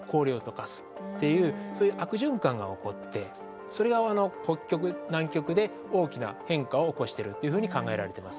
そうするとそれが北極南極で大きな変化を起こしてるっていうふうに考えられてます。